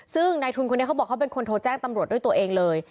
ซึ่งนายทุนคนนี้เขาบอกเขาเป็นคนโทรแจ้งตำรวจด้วยตัวเองเลย